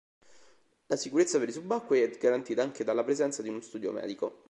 La sicurezza per i subacquei è garantita anche dalla presenza di uno studio medico.